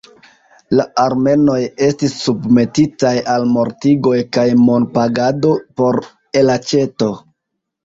La armenoj estis submetitaj al mortigoj kaj monpagado por elaĉeto.